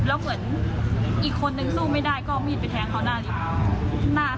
แล้วเหมือนอีกคนนึงสู้ไม่ได้ก็เอามีดไปแทงเขาหน้าลิฟต์